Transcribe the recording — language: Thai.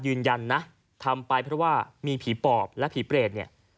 ยืนยันนะทำไปเพราะว่ามีผีปอบและผีเปรตเนี่ย